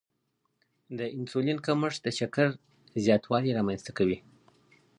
د انسولین کمښت د شکر زیاتوالی رامنځته کوي.